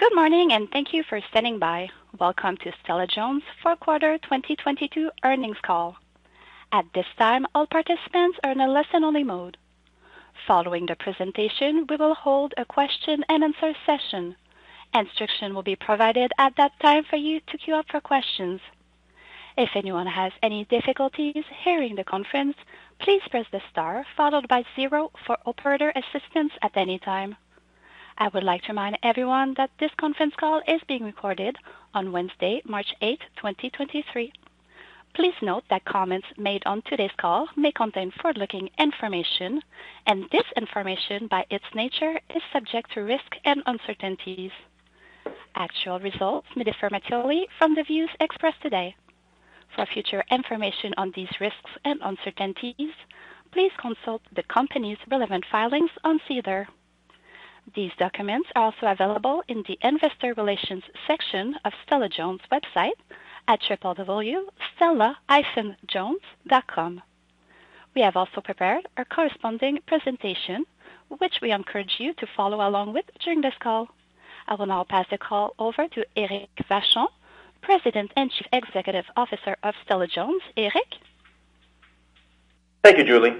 Good morning and thank you for standing by. Welcome to Stella-Jones Fourth Quarter 2022 Earnings Call. At this time, all participants are in a listen-only mode. Following the presentation, we will hold a question-and-answer session. Instruction will be provided at that time for you to queue up for questions. If anyone has any difficulties hearing the conference, please press the star followed by zero for operator assistance at any time. I would like to remind everyone that this conference call is being recorded on Wednesday, March 8th, 2023. Please note that comments made on today's call may contain forward-looking information, and this information, by its nature, is subject to risks and uncertainties. Actual results may differ materially from the views expressed today. For future information on these risks and uncertainties, please consult the company's relevant filings on SEDAR. These documents are also available in the investor relations section of Stella-Jones' website at www.stella-jones.com. We have also prepared a corresponding presentation which we encourage you to follow along with during this call. I will now pass the call over to Éric Vachon, President and Chief Executive Officer of Stella-Jones. Éric? Thank you, Julie.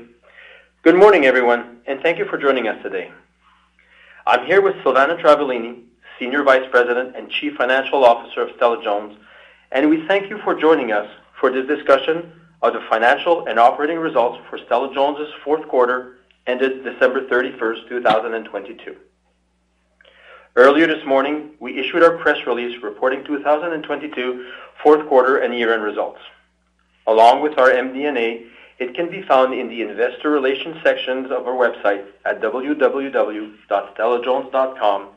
Good morning, everyone, thank you for joining us today. I'm here with Silvana Travaglini, Senior Vice President and Chief Financial Officer of Stella-Jones, we thank you for joining us for this discussion of the financial and operating results for Stella-Jones' Fourth Quarter ended December 31st, 2022. Earlier this morning, we issued our press release reporting 2022 fourth quarter and year-end results. Along with our MD&A, it can be found in the investor relations sections of our website at www.stellajones.com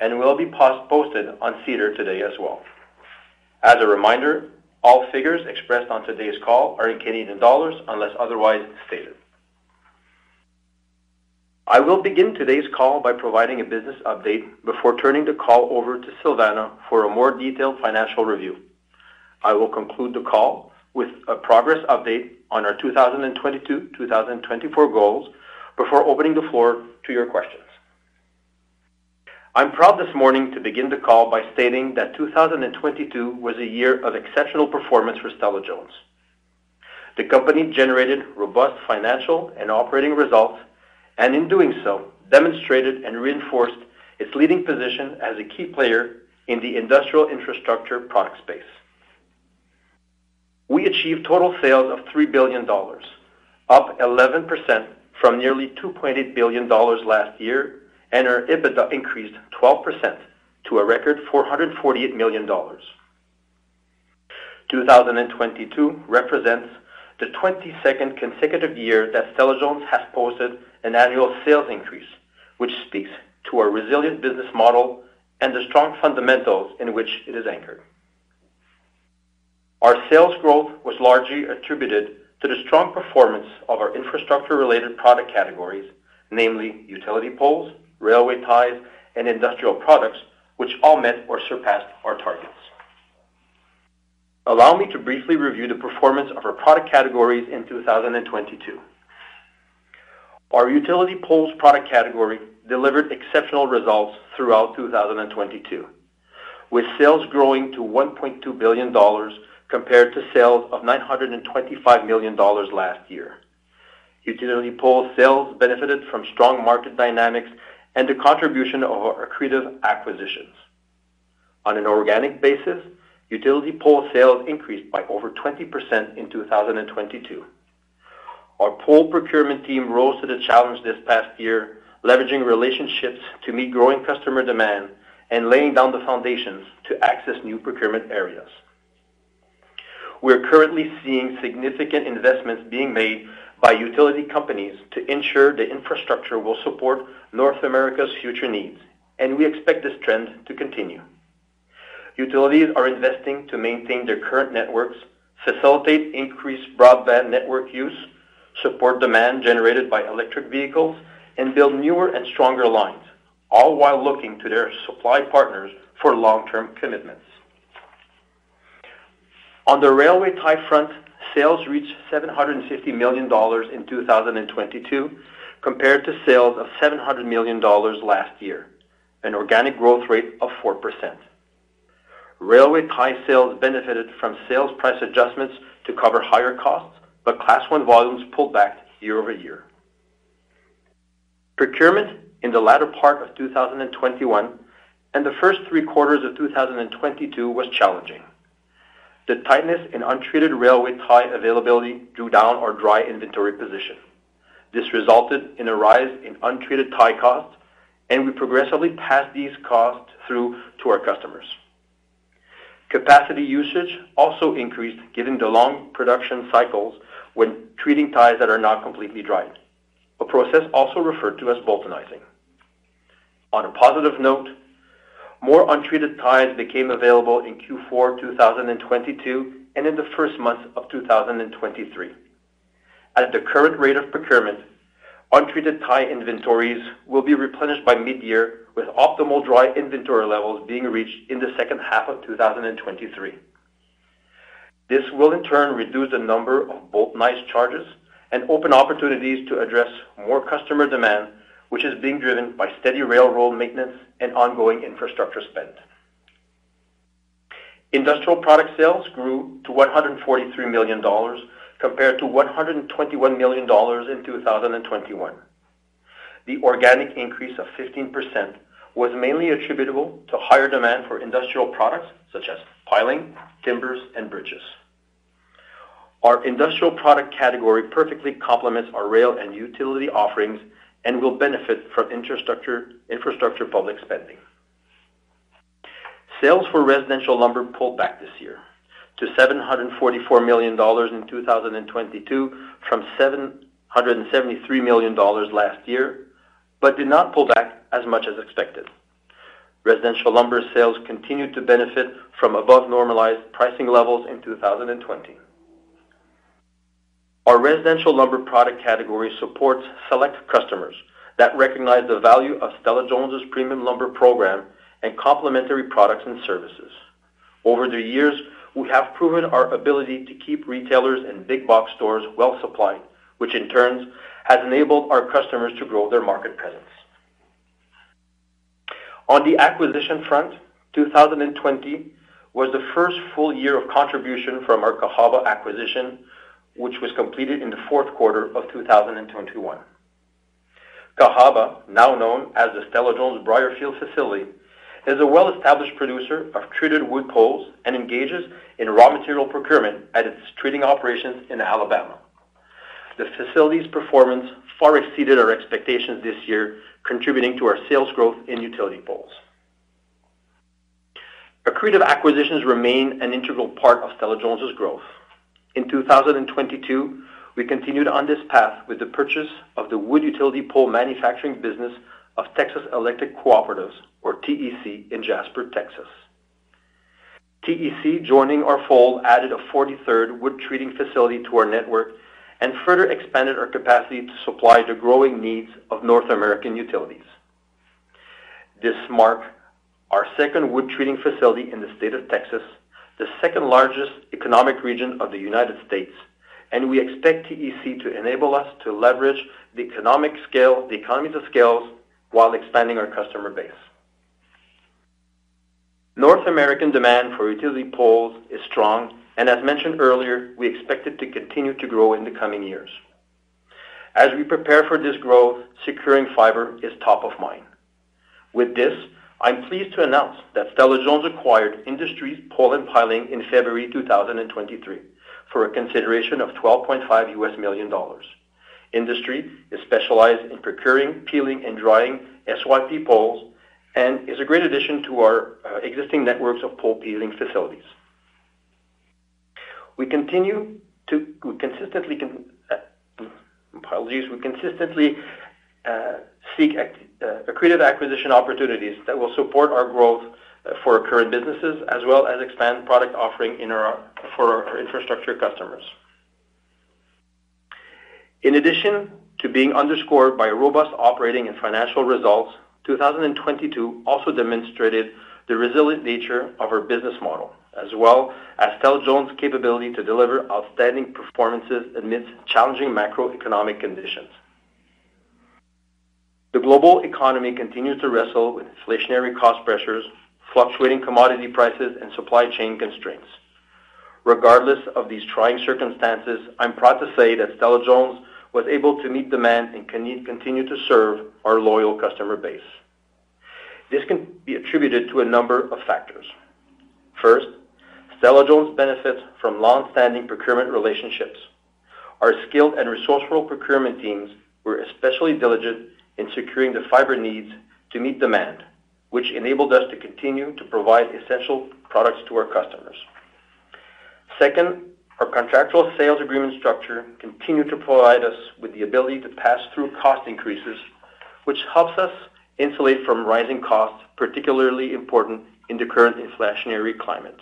and will be posted on SEDAR today as well. As a reminder, all figures expressed on today's call are in Canadian dollars unless otherwise stated. I will begin today's call by providing a business update before turning the call over to Silvana for a more detailed financial review. I will conclude the call with a progress update on our 2022, 2024 goals before opening the floor to your questions. I'm proud this morning to begin the call by stating that 2022 was a year of exceptional performance for Stella-Jones. The company generated robust financial and operating results and, in doing so, demonstrated and reinforced its leading position as a key player in the industrial infrastructure product space. We achieved total sales of 3 billion dollars, up 11% from nearly 2.8 billion dollars last year, and our EBITDA increased 12% to a record 448 million dollars. 2022 represents the 22nd consecutive year that Stella-Jones has posted an annual sales increase, which speaks to our resilient business model and the strong fundamentals in which it is anchored. Our sales growth was largely attributed to the strong performance of our infrastructure-related product categories, namely utility poles, Railway Ties, and industrial products, which all met or surpassed our targets. Allow me to briefly review the performance of our product categories in 2022. Our utility poles product category delivered exceptional results throughout 2022, with sales growing to 1.2 billion dollars compared to sales of 925 million dollars last year. Utility pole sales benefited from strong market dynamics and the contribution of our accretive acquisitions. On an organic basis, utility pole sales increased by over 20% in 2022. Our pole procurement team rose to the challenge this past year, leveraging relationships to meet growing customer demand and laying down the foundations to access new procurement areas. We're currently seeing significant investments being made by utility companies to ensure the infrastructure will support North America's future needs, and we expect this trend to continue. Utilities are investing to maintain their current networks, facilitate increased broadband network use, support demand generated by electric vehicles, and build newer and stronger lines, all while looking to their supply partners for long-term commitments. On the railway tie front, sales reached 750 million dollars in 2022 compared to sales of 700 million dollars last year, an organic growth rate of 4%. Railway tie sales benefited from sales price adjustments to cover higher costs, but Class I volumes pulled back year-over-year. Procurement in the latter part of 2021 and the first three quarters of 2022 was challenging. The tightness in untreated railway tie availability drew down our dry inventory position. This resulted in a rise in untreated tie costs, and we progressively passed these costs through to our customers. Capacity usage also increased given the long production cycles when treating ties that are not completely dried, a process also referred to as Boultonizing. On a positive note, more untreated ties became available in Q4 2022 and in the first month of 2023. At the current rate of procurement, untreated tie inventories will be replenished by mid-year with optimal dry inventory levels being reached in the second half of 2023. This will in turn reduce the number of Boultonizing charges and open opportunities to address more customer demand, which is being driven by steady railroad maintenance and ongoing infrastructure spend. Industrial product sales grew to $143 million compared to $121 million in 2021. The organic increase of 15% was mainly attributable to higher demand for industrial products such as piling, timbers, and bridges. Our industrial product category perfectly complements our rail and utility offerings and will benefit from infrastructure public spending. Sales for residential lumber pulled back this year to $744 million in 2022 from $773 million last year, but did not pull back as much as expected. Residential lumber sales continued to benefit from above normalized pricing levels in 2020. Our residential lumber product category supports select customers that recognize the value of Stella-Jones' premium lumber program and complementary products and services. Over the years, we have proven our ability to keep retailers and big box stores well supplied, which in turn has enabled our customers to grow their market presence. On the acquisition front, 2020 was the first full year of contribution from our Cahaba acquisition, which was completed in Q4 2021. Cahaba, now known as the Stella-Jones Briarfield facility, is a well-established producer of treated wood poles and engages in raw material procurement at its treating operations in Alabama. The facility's performance far exceeded our expectations this year, contributing to our sales growth in utility poles. Accretive acquisitions remain an integral part of Stella-Jones' growth. In 2022, we continued on this path with the purchase of the wood utility pole manufacturing business of Texas Electric Cooperatives, or TEC, in Jasper, Texas. TEC joining our fold, added a 43rd wood treating facility to our network and further expanded our capacity to supply the growing needs of North American utilities. This mark our second wood treating facility in the state of Texas, the second-largest economic region of the United States. We expect TEC to enable us to leverage the economies of scales while expanding our customer base. North American demand for utility poles is strong. As mentioned earlier, we expect it to continue to grow in the coming years. As we prepare for this growth, securing fiber is top of mind. With this, I'm pleased to announce that Stella-Jones acquired IndusTREE Pole & Piling in February 2023 for a consideration of $12.5 million. IndusTREE is specialized in procuring, peeling, and drying SYP poles and is a great addition to our existing networks of pole peeling facilities. We continue to consistently seek accretive acquisition opportunities that will support our growth for our current businesses as well as expand product offering for our infrastructure customers. In addition to being underscored by robust operating and financial results, 2022 also demonstrated the resilient nature of our business model, as well as Stella-Jones' capability to deliver outstanding performances amidst challenging macroeconomic conditions. The global economy continues to wrestle with inflationary cost pressures, fluctuating commodity prices, and supply chain constraints. Regardless of these trying circumstances, I'm proud to say that Stella-Jones was able to meet demand and can continue to serve our loyal customer base. This can be attributed to a number of factors. First, Stella-Jones benefits from long-standing procurement relationships. Our skilled and resourceful procurement teams were especially diligent in securing the fiber needs to meet demand, which enabled us to continue to provide essential products to our customers. Second, our contractual sales agreement structure continued to provide us with the ability to pass through cost increases, which helps us insulate from rising costs, particularly important in the current inflationary climate.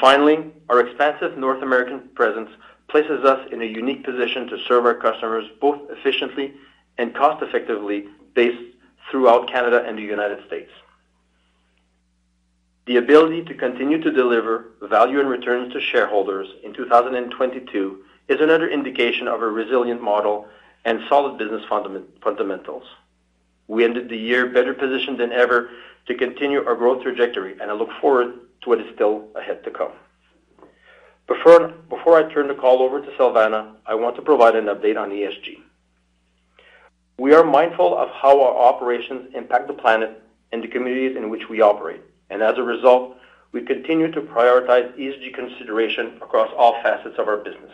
Finally, our expansive North American presence places us in a unique position to serve our customers both efficiently and cost-effectively based throughout Canada and the United States. The ability to continue to deliver value and returns to shareholders in 2022 is another indication of a resilient model and solid business fundamentals. We ended the year better positioned than ever to continue our growth trajectory, and I look forward to what is still ahead to come. Before I turn the call over to Silvana, I want to provide an update on ESG. We are mindful of how our operations impact the planet and the communities in which we operate. As a result, we continue to prioritize ESG consideration across all facets of our business.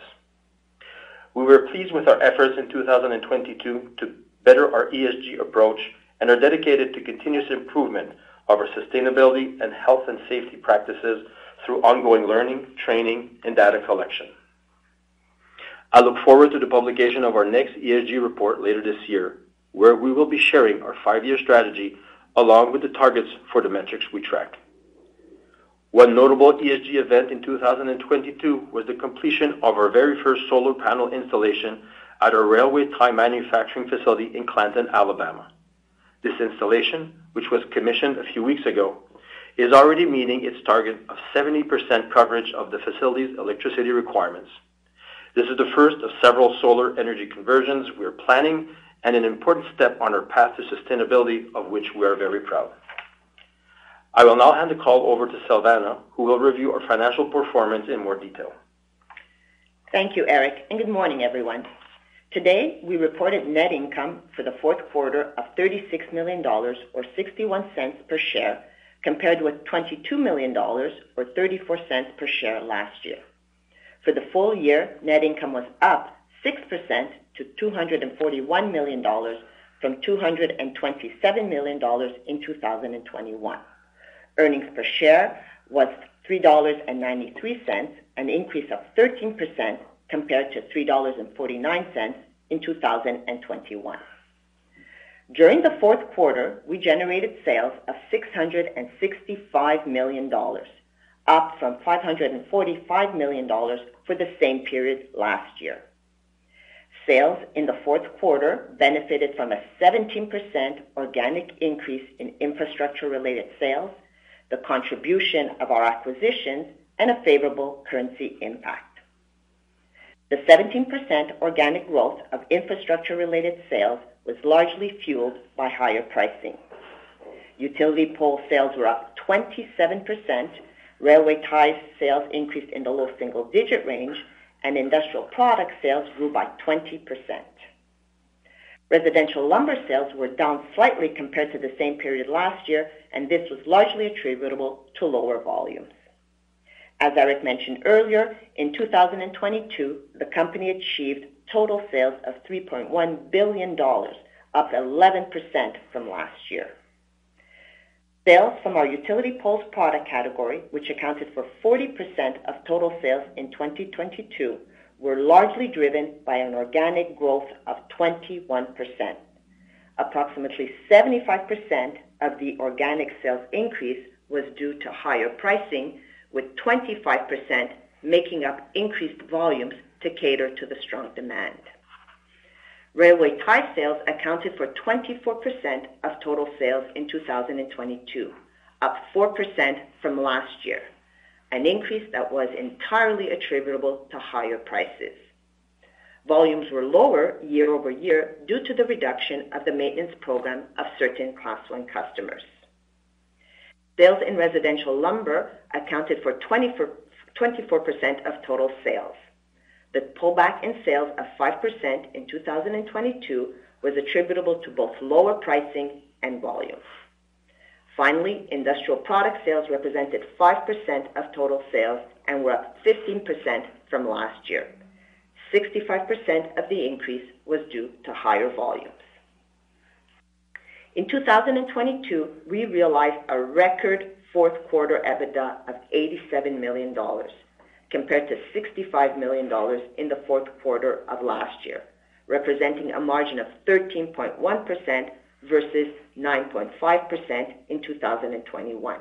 We were pleased with our efforts in 2022 to better our ESG approach and are dedicated to continuous improvement of our sustainability and health and safety practices through ongoing learning, training, and data collection. I look forward to the publication of our next ESG report later this year, where we will be sharing our five-year strategy along with the targets for the metrics we track. One notable ESG event in 2022 was the completion of our very first solar panel installation at our railway tie manufacturing facility in Clanton, Alabama. This installation, which was commissioned a few weeks ago, is already meeting its target of 70% coverage of the facility's electricity requirements. This is the first of several solar energy conversions we are planning and an important step on our path to sustainability, of which we are very proud. I will now hand the call over to Silvana Travaglini, who will review our financial performance in more detail. Thank you, Éric, and good morning, everyone. Today, we reported net income for the fourth quarter of 36 million dollars or 0.61 per share, compared with 22 million dollars or 0.34 per share last year. For the full year, net income was up 6% to 241 million dollars from 227 million dollars in 2021. Earnings per share was 3.93 dollars, an increase of 13% compared to 3.49 dollars in 2021. During the fourth quarter, we generated sales of 665 million dollars, up from 545 million dollars for the same period last year. Sales in the fourth quarter benefited from a 17% organic increase in infrastructure related sales, the contribution of our acquisitions, and a favorable currency impact. The 17% organic growth of infrastructure-related sales was largely fueled by higher pricing. Utility pole sales were up 27%, railway tie sales increased in the low single-digit range, and industrial product sales grew by 20%. Residential lumber sales were down slightly compared to the same period last year, and this was largely attributable to lower volumes. As Éric mentioned earlier, in 2022, the company achieved total sales of 3.1 billion dollars, up 11% from last year. Sales from our utility poles product category, which accounted for 40% of total sales in 2022, were largely driven by an organic growth of 21%. Approximately 75% of the organic sales increase was due to higher pricing, with 25% making up increased volumes to cater to the strong demand. Railway tie sales accounted for 24% of total sales in 2022, up 4% from last year, an increase that was entirely attributable to higher prices. Volumes were lower year-over-year due to the reduction of the maintenance program of certain Class I customers. Sales in residential lumber accounted for 24% of total sales. The pullback in sales of 5% in 2022 was attributable to both lower pricing and volumes. Finally, industrial product sales represented 5% of total sales and were up 15% from last year. 65% of the increase was due to higher volumes. In 2022, we realized a record fourth quarter EBITDA of 87 million dollars compared to 65 million dollars in the fourth quarter of last year, representing a margin of 13.1% versus 9.5% in 2021.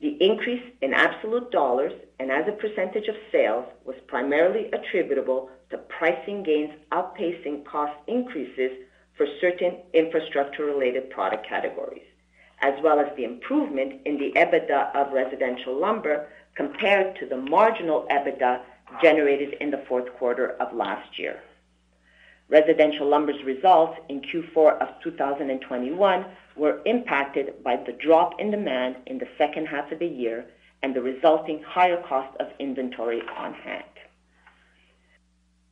The increase in absolute dollars and as a percentage of sales was primarily attributable to pricing gains outpacing cost increases for certain infrastructure-related product categories, as well as the improvement in the EBITDA of residential lumber compared to the marginal EBITDA generated in the fourth quarter of last year. Residential lumber's results in Q4 of 2021 were impacted by the drop in demand in the second half of the year and the resulting higher cost of inventory on hand.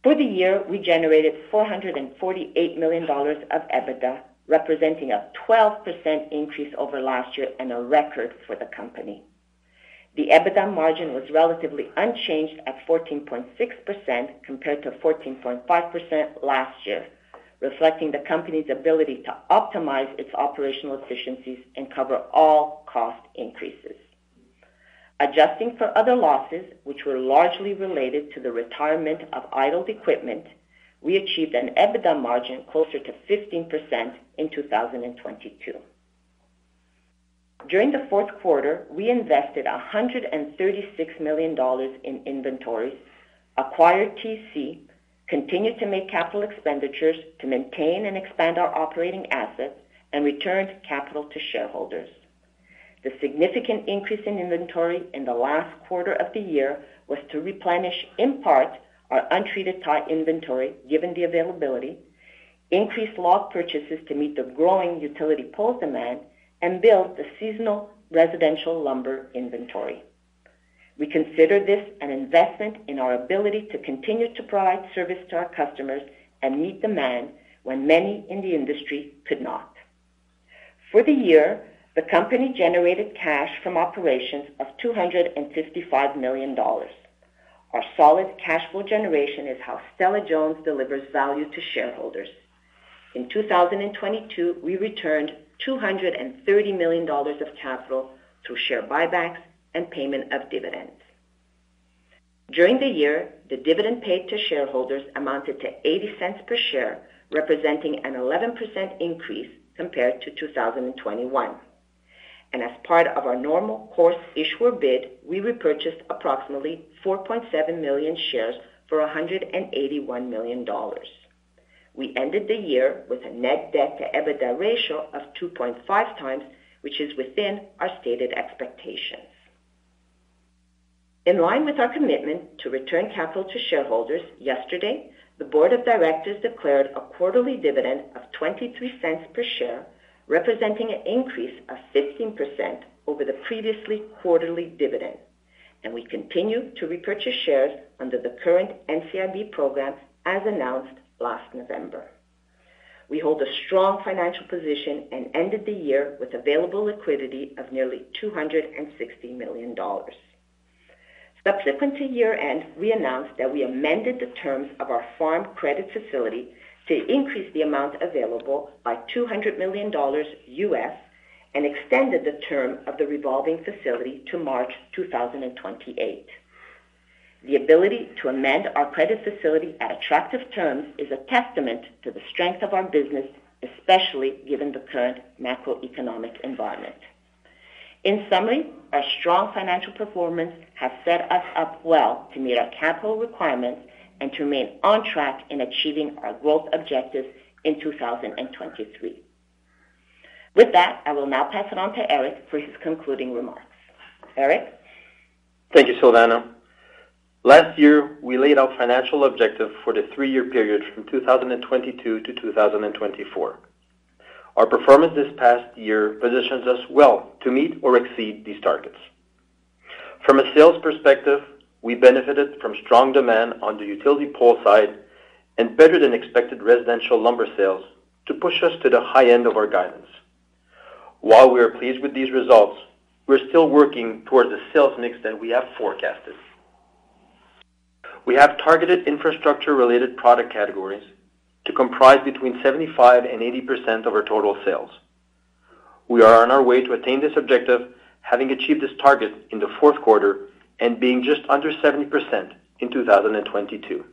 For the year, we generated 448 million dollars of EBITDA, representing a 12% increase over last year and a record for the company. The EBITDA margin was relatively unchanged at 14.6% compared to 14.5% last year, reflecting the company's ability to optimize its operational efficiencies and cover all cost increases. Adjusting for other losses, which were largely related to the retirement of idled equipment, we achieved an EBITDA margin closer to 15% in 2022. During the fourth quarter, we invested 136 million dollars in inventories, acquired TEC, continued to make capital expenditures to maintain and expand our operating assets, and returned capital to shareholders. The significant increase in inventory in the last quarter of the year was to replenish, in part, our untreated tie inventory, given the availability, increase log purchases to meet the growing utility pole demand, and build the seasonal residential lumber inventory. We consider this an investment in our ability to continue to provide service to our customers and meet demand when many in the industry could not. For the year, the company generated cash from operations of 255 million dollars. Our solid cash flow generation is how Stella-Jones delivers value to shareholders. In 2022, we returned 230 million dollars of capital through share buybacks and payment of dividends. During the year, the dividend paid to shareholders amounted to 0.80 per share, representing an 11% increase compared to 2021. As part of our normal course issuer bid, we repurchased approximately 4.7 million shares for 181 million dollars. We ended the year with a net debt to EBITDA ratio of 2.5 times, which is within our stated expectations. In line with our commitment to return capital to shareholders, yesterday, the board of directors declared a quarterly dividend of 0.23 per share, representing an increase of 15% over the previously quarterly dividend, and we continue to repurchase shares under the current NCIB program as announced last November. We hold a strong financial position and ended the year with available liquidity of nearly 260 million dollars. Subsequent to year-end, we announced that we amended the terms of our Farm Credit facility to increase the amount available by $200 million and extended the term of the revolving facility to March 2028. The ability to amend our credit facility at attractive terms is a testament to the strength of our business, especially given the current macroeconomic environment. In summary, our strong financial performance has set us up well to meet our capital requirements and to remain on track in achieving our growth objectives in 2023. With that, I will now pass it on to Éric for his concluding remarks. Éric? Thank you, Silvana. Last year, we laid out financial objectives for the three-year period from 2022 to 2024. Our performance this past year positions us well to meet or exceed these targets. From a sales perspective, we benefited from strong demand on the utility pole side and better than expected residential lumber sales to push us to the high end of our guidance. While we are pleased with these results, we're still working towards the sales mix that we have forecasted. We have targeted infrastructure-related product categories to comprise between 75% and 80% of our total sales. We are on our way to attain this objective, having achieved this target in the fourth quarter and being just under 70% in 2022.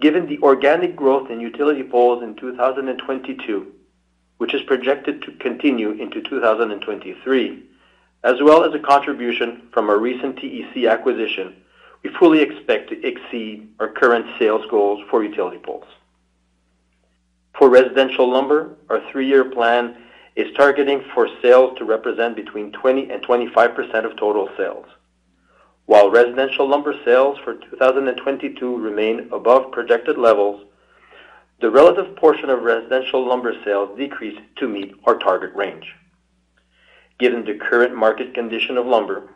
Given the organic growth in utility poles in 2022, which is projected to continue into 2023, as well as a contribution from our recent TEC acquisition, we fully expect to exceed our current sales goals for utility poles. For residential lumber, our three-year plan is targeting for sales to represent between 20%-25% of total sales. While residential lumber sales for 2022 remain above projected levels, the relative portion of residential lumber sales decreased to meet our target range. Given the current market condition of lumber,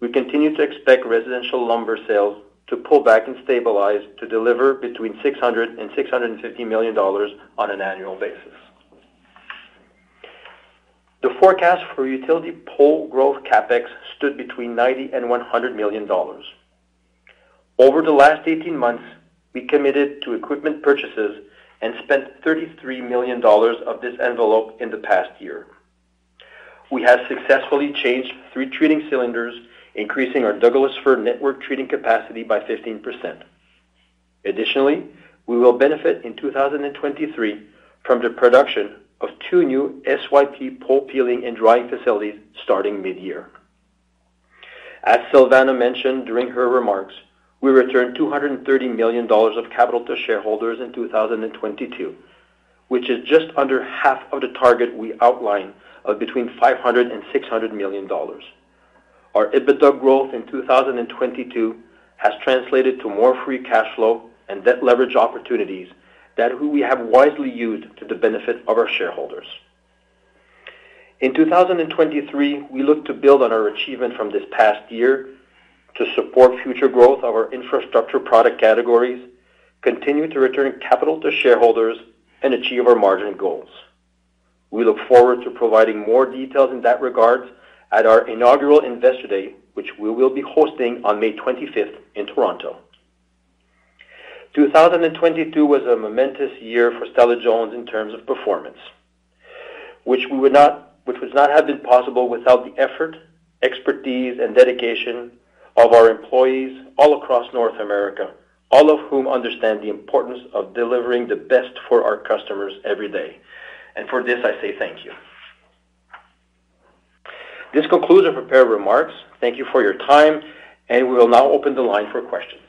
we continue to expect residential lumber sales to pull back and stabilize to deliver between $600 million-$650 million on an annual basis. The forecast for utility pole growth CapEx stood between $90 million-$100 million. Over the last 18 months, we committed to equipment purchases and spent 33 million dollars of this envelope in the past year. We have successfully changed three treating cylinders, increasing our Douglas fir network treating capacity by 15%. We will benefit in 2023 from the production of two new SYP pole peeling and drying facilities starting mid-year. As Silvana mentioned during her remarks, we returned 230 million dollars of capital to shareholders in 2022, which is just under half of the target we outlined of between 500 million-600 million dollars. Our EBITDA growth in 2022 has translated to more free cash flow and debt leverage opportunities that we have wisely used to the benefit of our shareholders. In 2023, we look to build on our achievement from this past year to support future growth of our infrastructure product categories, continue to return capital to shareholders, and achieve our margin goals. We look forward to providing more details in that regard at our inaugural Investor Day, which we will be hosting on May 25th in Toronto. 2022 was a momentous year for Stella-Jones in terms of performance, which would not have been possible without the effort, expertise, and dedication of our employees all across North America, all of whom understand the importance of delivering the best for our customers every day. For this, I say thank you. This concludes our prepared remarks. Thank you for your time, and we will now open the line for questions.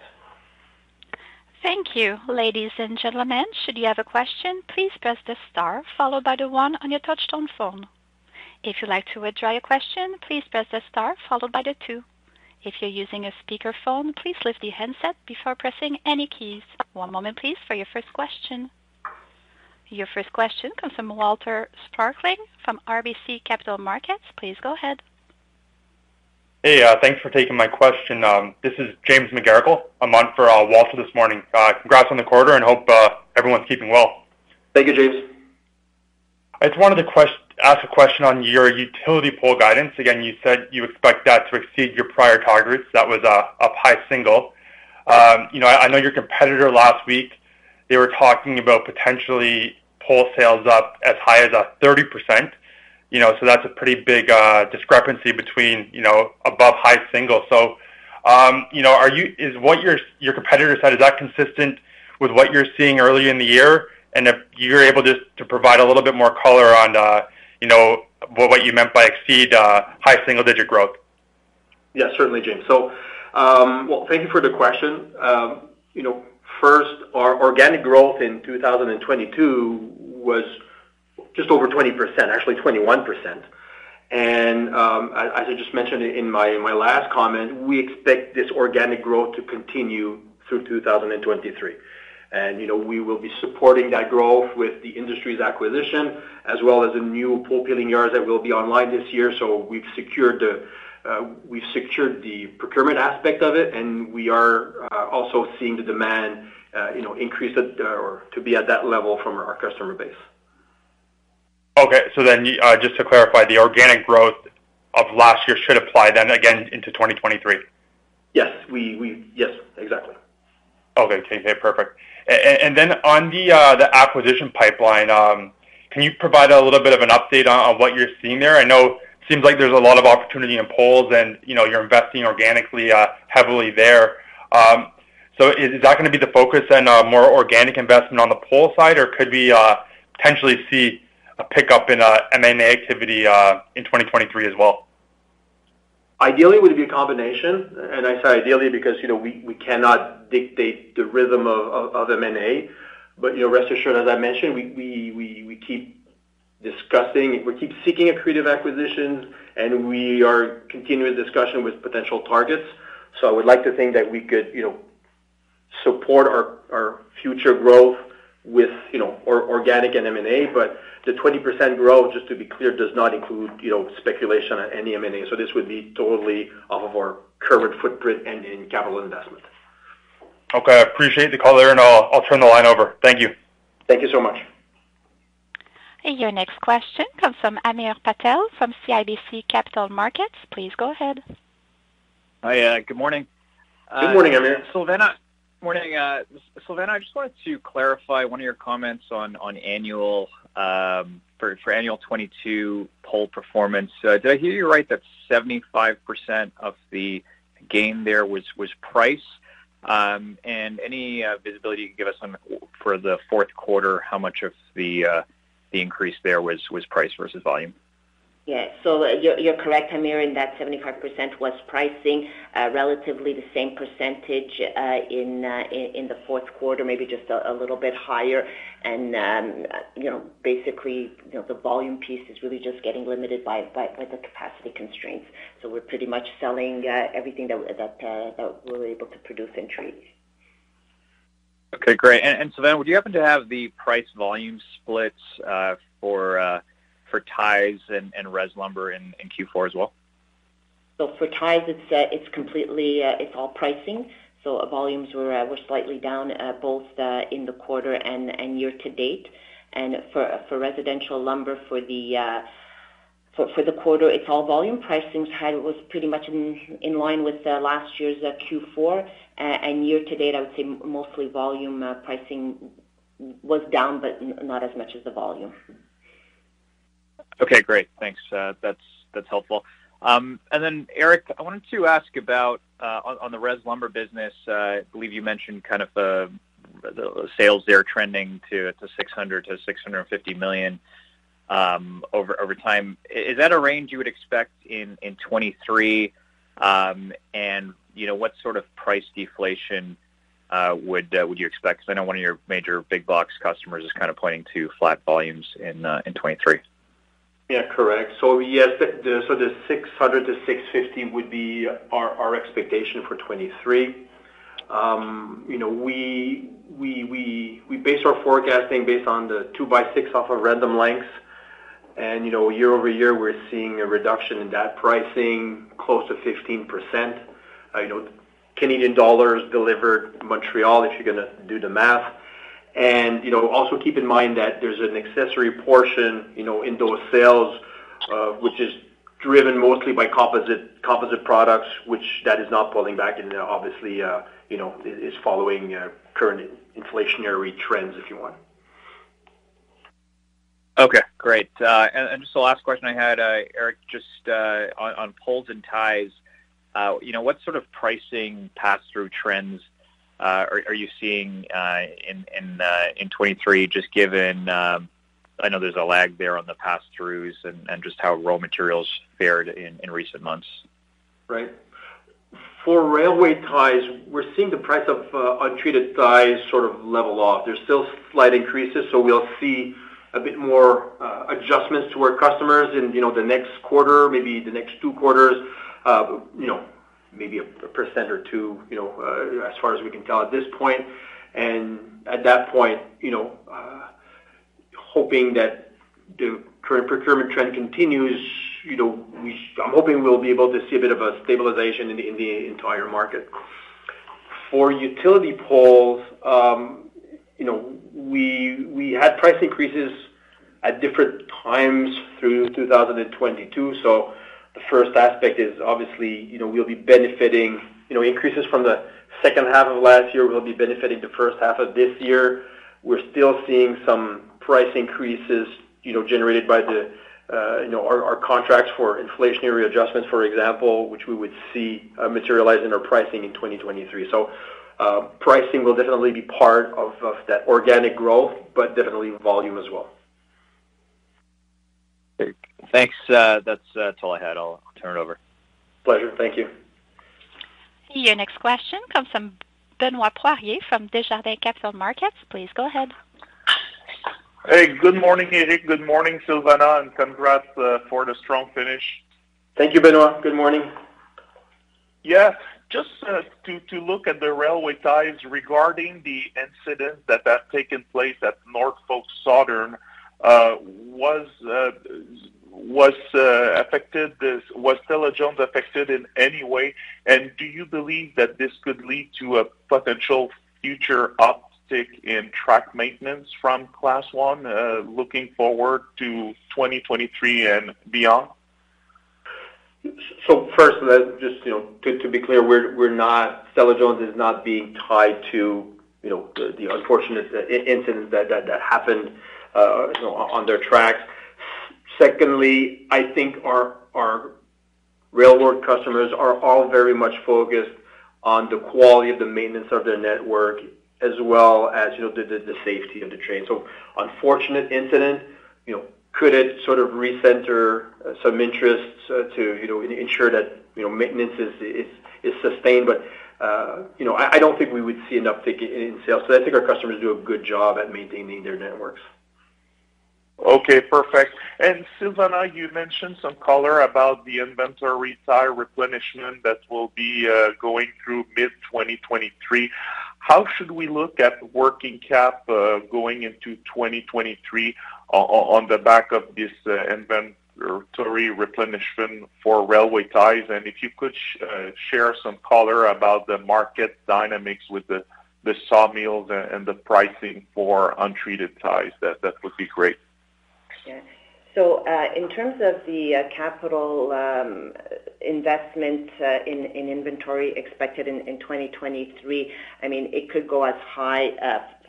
Thank you. Ladies and gentlemen, should you have a question, please press the star followed by the one on your touchtone phone. If you'd like to withdraw your question, please press the star followed by the two. If you're using a speakerphone, please lift the handset before pressing any keys. One moment, please, for your first question. Your first question comes from Walter Spracklin from RBC Capital Markets. Please go ahead. Hey, thanks for taking my question. This is James McGarragle. I'm on for Walter this morning. Congrats on the quarter, and hope everyone's keeping well. Thank you, James. I just wanted to ask a question on your utility pole guidance. Again, you said you expect that to exceed your prior targets. That was a high single. You know, I know your competitor last week, they were talking about potentially pole sales up as high as 30%. You know, that's a pretty big discrepancy between, you know, above high single. You know, is what your competitor said, is that consistent with what you're seeing early in the year? If you're able just to provide a little bit more color on, you know, what you meant by exceed, high single-digit growth? Yes, certainly, James. Well, thank you for the question. You know, first, our organic growth in 2022 was just over 20%, actually 21%. As, as I just mentioned in my last comment, we expect this organic growth to continue through 2023. You know, we will be supporting that growth with the Industry acquisition as well as the new pole peeling yards that will be online this year. We've secured the, we've secured the procurement aspect of it, and we are also seeing the demand, you know, increase at, or to be at that level from our customer base. Okay. Just to clarify, the organic growth of last year should apply then again into 2023? Yes. Yes, exactly. Okay. Okay, perfect. Then on the acquisition pipeline, can you provide a little bit of an update on what you're seeing there? I know it seems like there's a lot of opportunity in poles and, you know, you're investing organically heavily there. Is that gonna be the focus and more organic investment on the pole side, or could we potentially see a pickup in M&A activity in 2023 as well? Ideally, it would be a combination, and I say ideally because, you know, we cannot dictate the rhythm of, of M&A. You know, rest assured, as I mentioned, we keep seeking accretive acquisitions, and we are continuing the discussion with potential targets. I would like to think that we could, you know, support our future growth with, you know, organic and M&A. The 20% growth, just to be clear, does not include, you know, speculation on any M&A. This would be totally off of our current footprint and in capital investment. Okay. I appreciate the color, and I'll turn the line over. Thank you. Thank you so much. Your next question comes from Hamir Patel from CIBC Capital Markets. Please go ahead. Hi. Good morning. Good morning, Hamir. Silvana. Morning. Silvana, I just wanted to clarify one of your comments on annual, for annual 22 pole performance. Did I hear you right that 75% of the gain there was price? Any visibility you could give us on for the fourth quarter, how much of the increase there was price versus volume? Yeah. You're correct, Hamir, in that 75% was pricing, relatively the same percentage in the fourth quarter, maybe just a little bit higher. You know, basically, you know, the volume piece is really just getting limited by the capacity constraints. We're pretty much selling everything that we're able to produce in trees. Okay, great. Silvana, would you happen to have the price volume splits for ties and res lumber in Q4 as well? For ties, it's completely, it's all pricing. Volumes were slightly down, both in the quarter and year-to-date. For residential lumber for the, for the quarter, it's all volume pricing. It was pretty much in line with last year's Q4. Year-to-date, I would say mostly volume, pricing was down, but not as much as the volume. Okay, great. Thanks. That's helpful. Éric, I wanted to ask about on the res lumber business, I believe you mentioned kind of the sales there trending to 600 million-650 million over time. Is that a range you would expect in 2023? You know, what sort of price deflation would you expect? 'Cause I know one of your major big box customers is kind of pointing to flat volumes in 2023. Yeah, correct. Yes, the 600-650 would be our expectation for 2023. You know, we base our forecasting based on the 2x6 off of Random Lengths. You know, year-over-year, we're seeing a reduction in that pricing close to 15%. You know, Canadian dollars delivered Montreal, if you're gonna do the math. You know, also keep in mind that there's an accessory portion, you know, in those sales, which is driven mostly by composite products, which that is not pulling back and obviously, you know, is following current inflationary trends, if you want. Okay, great. Just the last question I had, Éric, just on poles and ties, you know, what sort of pricing pass-through trends are you seeing in 23, just given, I know there's a lag there on the pass-throughs and just how raw materials fared in recent months? Right. For Railway Ties, we're seeing the price of untreated ties sort of level off. There's still slight increases, so we'll see a bit more adjustments to our customers in the next quarter, maybe the next two quarters of maybe a percent or two as far as we can tell at this point. At that point, hoping that the current procurement trend continues, I'm hoping we'll be able to see a bit of a stabilization in the entire market. For utility poles, we had price increases at different times through 2022. The first aspect is obviously, increases from the second half of last year will be benefiting the first half of this year. We're still seeing some price increases, you know, generated by the, you know, our contracts for inflationary adjustments, for example, which we would see materialize in our pricing in 2023. Pricing will definitely be part of that organic growth, but definitely volume as well. Great. Thanks. That's all I had. I'll turn it over. Pleasure. Thank you. Your next question comes from Benoit Poirier from Desjardins Capital Markets. Please go ahead. Hey, good morning, Éric. Good morning, Silvana, and congrats for the strong finish. Thank you, Benoit. Good morning. Just to look at the Railway Ties regarding the incident that had taken place at Norfolk Southern, was Stella-Jones affected in any way? Do you believe that this could lead to a potential future uptick in track maintenance from Class I looking forward to 2023 and beyond? First, just, you know, to be clear, Stella-Jones is not being tied to, you know, the unfortunate in-incident that happened, you know, on their tracks. Secondly, I think our railroad customers are all very much focused on the quality of the maintenance of their network as well as, you know, the safety of the train. Unfortunate incident, you know, could it sort of recenter some interest to, you know, ensure that, you know, maintenance is sustained. You know, I don't think we would see an uptick in sales. I think our customers do a good job at maintaining their networks. Okay. Perfect. Silvana, you mentioned some color about the inventory tie replenishment that will be going through mid 2023. How should we look at working cap going into 2023 on the back of this inventory replenishment for Railway Ties? If you could share some color about the market dynamics with the sawmills and the pricing for untreated ties, that would be great. Yeah. In terms of the, uh, capital, um, investment, uh, in inventory expected in 2023, I mean, it could go as high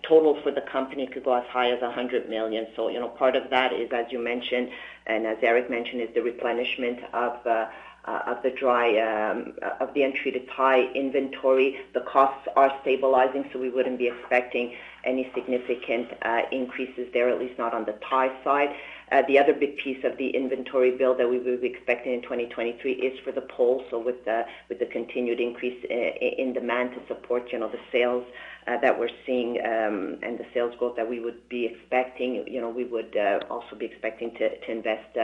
total for the company could go as high as a hundred million. So, you know, part of that is, as you mentioned, and as Eric mentioned, is the replenishment of the dry, um, of the untreated tie inventory. The costs are stabilizing, so we wouldn't be expecting any significant increases there, at least not on the tie side. The other big piece of the inventory build that we would be expecting in 2023 is for the pole. With the continued increase in demand to support, you know, the sales that we're seeing, and the sales growth that we would be expecting, you know, we would also be expecting to invest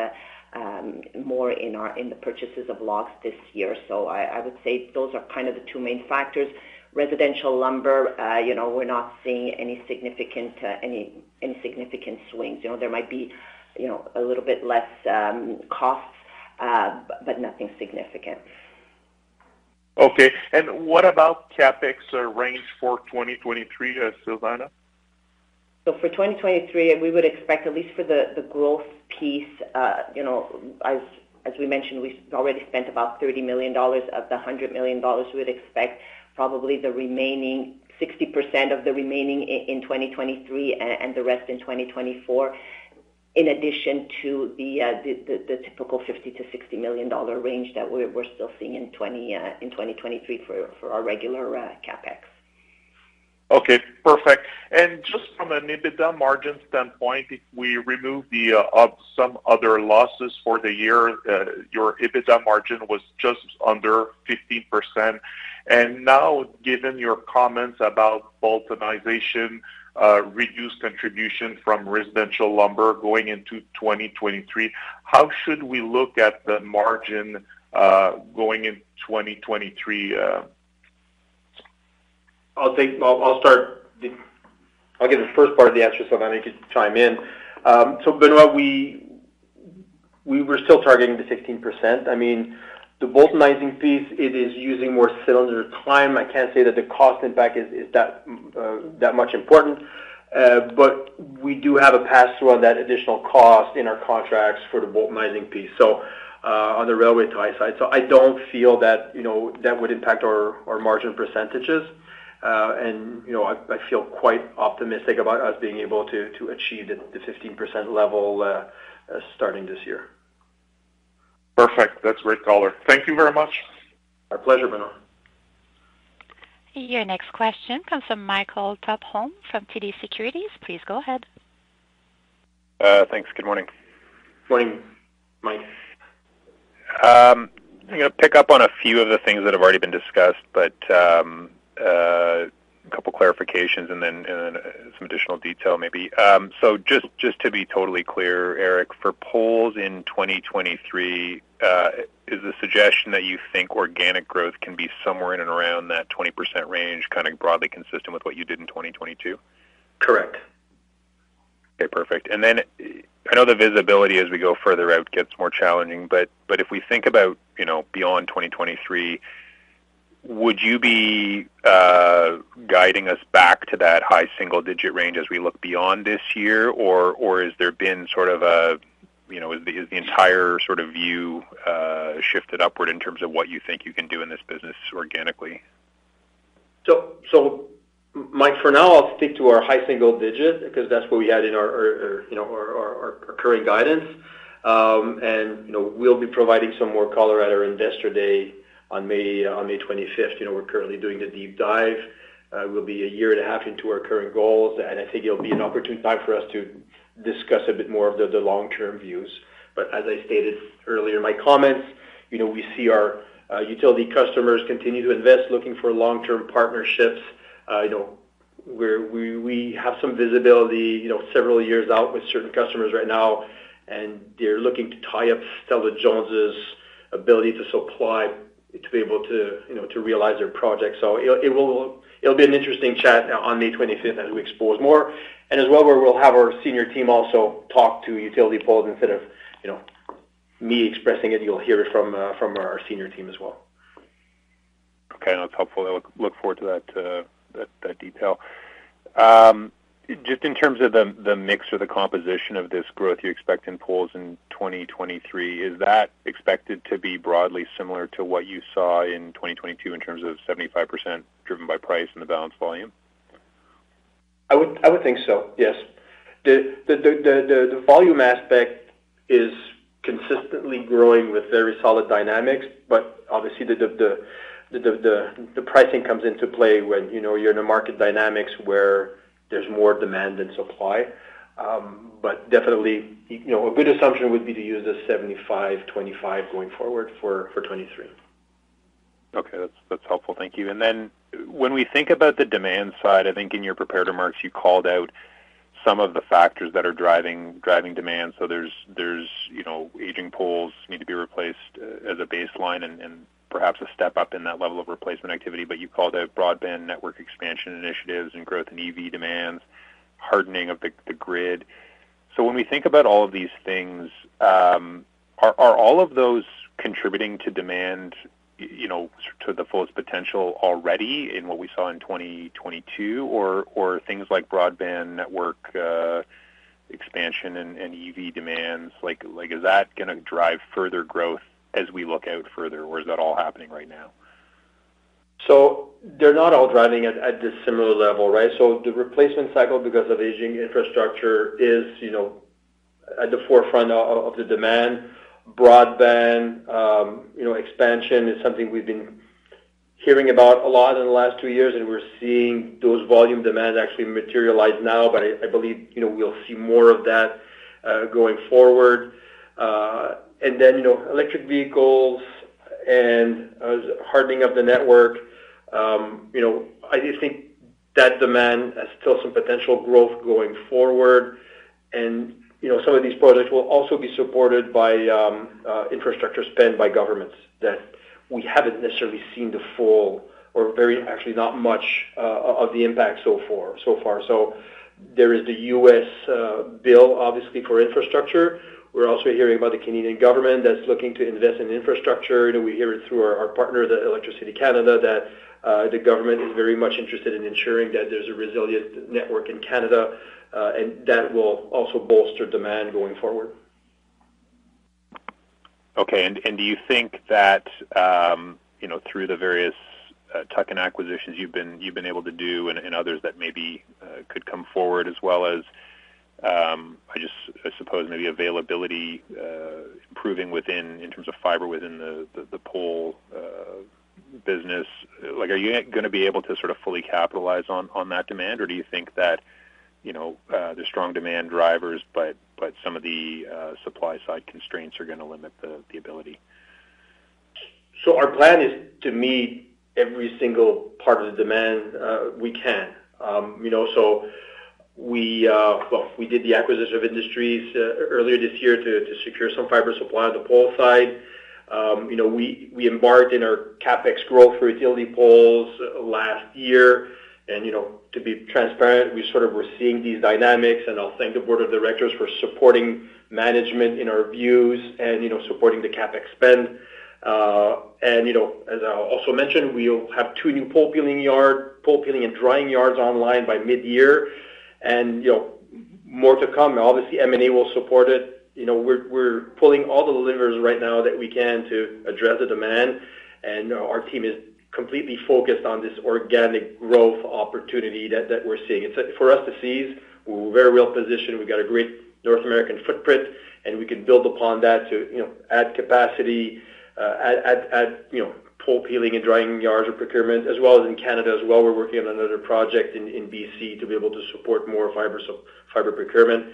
more in the purchases of logs this year. I would say those are kind of the two main factors. Residential lumber, you know, we're not seeing any significant, any insignificant swings. You know, there might be, you know, a little bit less costs, but nothing significant. Okay. what about CapEx range for 2023, Silvana? For 2023, we would expect, at least for the growth piece, you know, as we mentioned, we already spent about $30 million of the $100 million. We'd expect probably the remaining 60% of the remaining in 2023 and the rest in 2024, in addition to the typical $50 million-$60 million range that we're still seeing in 2023 for our regular CapEx. Okay. Perfect. Just from an EBITDA margin standpoint, if we remove the, some other losses for the year, your EBITDA margin was just under 15%. Now, given your comments about Boultonizing, reduced contribution from residential lumber going into 2023, how should we look at the margin, going in 2023? I'll give the first part of the answer, Silvana, you can chime in. Benoit, we were still targeting the 16%. I mean, the Boultonizing piece, it is using more cylinder climb. I can't say that the cost impact is that much important. We do have a pass-through on that additional cost in our contracts for the Boultonizing piece on the railway tie side. I don't feel that, you know, that would impact our margin percentages. You know, I feel quite optimistic about us being able to achieve the 15% level starting this year. Perfect. That's great color. Thank you very much. My pleasure, Benoit. Your next question comes from Michael Tupholme from TD Securities. Please go ahead. Thanks. Good morning. Morning, Mike. I'm gonna pick up on a few of the things that have already been discussed. A couple clarifications and then some additional detail maybe. Just to be totally clear, Éric, for poles in 2023, is the suggestion that you think organic growth can be somewhere in and around that 20% range, kind of broadly consistent with what you did in 2022? Correct. Okay. Perfect. Then I know the visibility as we go further out gets more challenging, but if we think about, you know, beyond 2023, would you be guiding us back to that high single-digit range as we look beyond this year? Has there been sort of a, you know, has the entire sort of view shifted upward in terms of what you think you can do in this business organically? Mike, for now, I'll stick to our high single-digit because that's what we had in our, you know, current guidance. you know, we'll be providing some more color at our Investor Day on May 25th. You know, we're currently doing the deep dive. we'll be 1.5 years into our current goals, and I think it'll be an opportune time for us to discuss a bit more of the long-term views. as I stated earlier in my comments, you know, we see our utility customers continue to invest, looking for long-term partnerships. you know, we have some visibility, you know, several years out with certain customers right now, and they're looking to tie up Stella-Jones' ability to supply, to be able to, you know, to realize their projects. It'll be an interesting chat on May 25th as we expose more. As well, we'll have our senior team also talk to utility poles instead of, you know, me expressing it. You'll hear it from our senior team as well. Okay. That's helpful. I look forward to that detail. Just in terms of the mix or the composition of this growth you expect in poles in 2023, is that expected to be broadly similar to what you saw in 2022 in terms of 75% driven by price and the balance volume? I would think so, yes. The volume aspect is consistently growing with very solid dynamics. Obviously, the pricing comes into play when, you know, you're in a market dynamics where there's more demand than supply. Definitely, you know, a good assumption would be to use the 75/25 going forward for 2023. Okay. That's helpful. Thank you. When we think about the demand side, I think in your prepared remarks, you called out some of the factors that are driving demand. There's, you know, aging poles need to be replaced as a baseline and perhaps a step-up in that level of replacement activity. You called out broadband network expansion initiatives and growth in EV demand, hardening of the grid. When we think about all of these things, are all of those contributing to demand, you know, to the fullest potential already in what we saw in 2022? Or things like broadband network expansion and EV demands, like, is that gonna drive further growth as we look out further, or is that all happening right now? They're not all driving at the similar level, right? The replacement cycle, because of aging infrastructure is, you know, at the forefront of the demand. Broadband expansion is something we've been hearing about a lot in the last two years, and we're seeing those volume demands actually materialize now. I believe, you know, we'll see more of that going forward. Electric vehicles and hardening of the network, I just think that demand has still some potential growth going forward. Some of these projects will also be supported by infrastructure spend by governments that we haven't necessarily seen the full or very actually not much of the impact so far. There is the U.S. bill obviously for infrastructure. We're also hearing about the Canadian government that's looking to invest in infrastructure. You know, we hear it through our partner, the Electricity Canada, that the government is very much interested in ensuring that there's a resilient network in Canada. That will also bolster demand going forward. Okay. Do you think that, you know, through the various tuck-in acquisitions you've been able to do and others that maybe could come forward as well as, I just, I suppose maybe availability improving within in terms of fiber within the pole business. Like, are you gonna be able to sort of fully capitalize on that demand? Or do you think that, you know, there's strong demand drivers, but some of the supply side constraints are gonna limit the ability? Our plan is to meet every single part of the demand, we can. You know, so we, well, we did the acquisition of IndusTREE earlier this year to secure some fiber supply on the pole side. You know, we embarked in our CapEx growth for utility poles last year. You know, to be transparent, we sort of were seeing these dynamics, and I'll thank the board of directors for supporting management in our views and, you know, supporting the CapEx spend. You know, as I also mentioned, we'll have two new pole peeling and drying yards online by mid-year. You know, more to come. Obviously, M&A will support it. You know, we're pulling all the levers right now that we can to address the demand. Our team is completely focused on this organic growth opportunity that we're seeing. It's, for us to seize, we're very well-positioned. We've got a great North American footprint. We can build upon that to, you know, add capacity, add, you know, pole peeling and drying yards or procurement, as well as in Canada as well. We're working on another project in BC to be able to support more fiber procurement.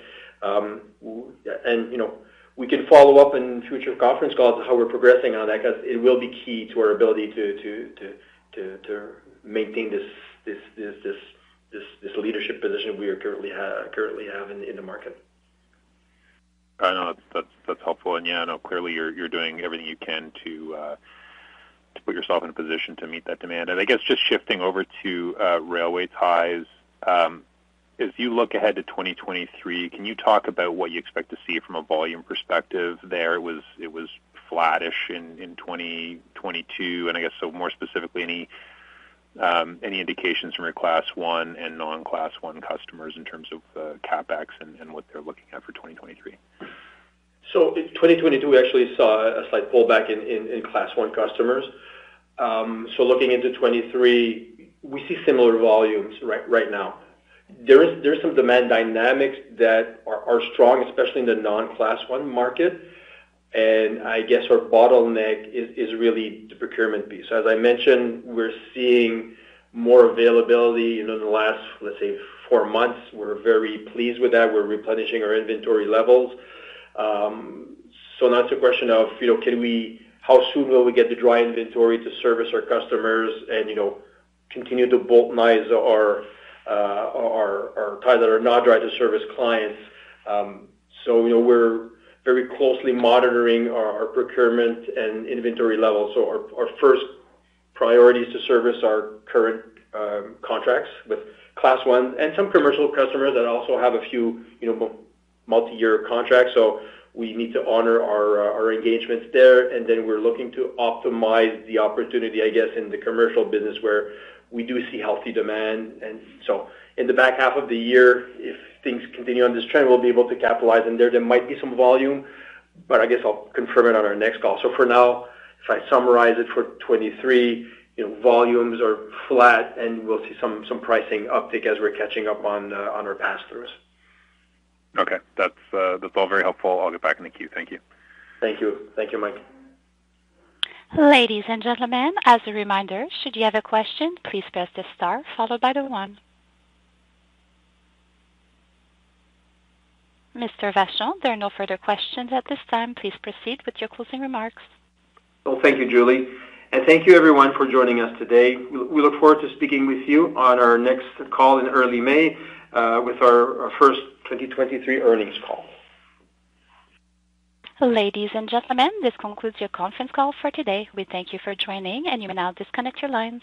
You know, we can follow up in future conference calls how we're progressing on that because it will be key to our ability to maintain this leadership position we are currently have in the market. I know. That's, that's helpful. Yeah, I know clearly you're doing everything you can to put yourself in a position to meet that demand. I guess just shifting over to Railway Ties. If you look ahead to 2023, can you talk about what you expect to see from a volume perspective there? It was flattish in 2022. I guess more specifically, any indications from your Class I and non-Class I customers in terms of CapEx and what they're looking at for 2023? In 2022, we actually saw a slight pullback in Class I customers. Looking into 23, we see similar volumes right now. There are some demand dynamics that are strong, especially in the non-Class I market. I guess our bottleneck is really the procurement piece. As I mentioned, we're seeing more availability, you know, in the last, let's say, four months. We're very pleased with that. We're replenishing our inventory levels. Now it's a question of, you know, how soon will we get the dry inventory to service our customers and, you know, continue to Boultonize our tires that are not dry to service clients. You know, we're very closely monitoring our procurement and inventory levels. Our first priority is to service our current contracts with Class I and some commercial customers that also have a few, you know, multi-year contracts. We need to honor our engagements there. We're looking to optimize the opportunity, I guess, in the commercial business where we do see healthy demand. In the back half of the year, if things continue on this trend, we'll be able to capitalize, and there might be some volume, but I guess I'll confirm it on our next call. For now, if I summarize it for 2023, you know, volumes are flat, and we'll see some pricing uptick as we're catching up on our pass-throughs. Okay. That's all very helpful. I'll get back in the queue. Thank you. Thank you. Thank you, Mike. Ladies and gentlemen, as a reminder, should you have a question, please press the star followed by the one. Mr. Vachon, there are no further questions at this time. Please proceed with your closing remarks. Well, thank you, Julie. Thank you everyone for joining us today. We look forward to speaking with you on our next call in early May with our first 2023 earnings call. Ladies and gentlemen, this concludes your conference call for today. We thank you for joining, and you may now disconnect your lines.